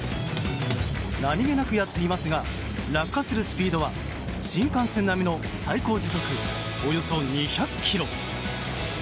何気なくやっていますが落下するスピードは新幹線並みの最高時速およそ２００キロ。